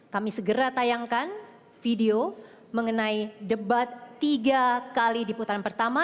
kami segera tayangkan video mengenai debat tiga kali di putaran pertama